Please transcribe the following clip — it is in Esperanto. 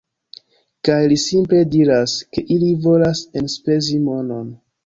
- Kaj li simple diras, ke ili volas enspezi monon